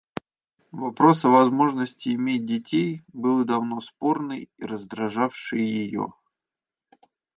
Вопрос о возможности иметь детей был давно спорный и раздражавший ее.